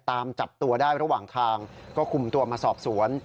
ตามจับตัวได้ระหว่างทางก็คุมตัวมาสอบสวน